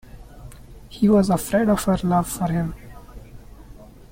He was afraid of her love for him.